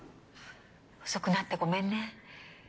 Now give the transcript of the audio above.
遅くなってごめんね。